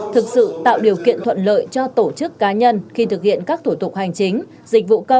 thực sự tạo điều kiện thuận lợi cho tổ chức cá nhân khi thực hiện các thủ tục hành chính